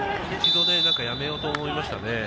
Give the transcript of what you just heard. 一度やめようと思いましたね。